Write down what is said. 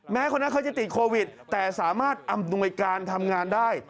คนนั้นเขาจะติดโควิดแต่สามารถอำนวยการทำงานได้